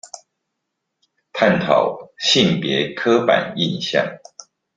探討性別刻板印象